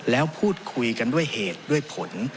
แล้วพูดคุยกันด้วยเหตุด้วยผล